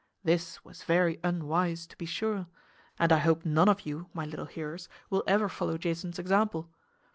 This was very unwise, to be sure; and I hope none of you, my little hearers, will ever follow Jason's example.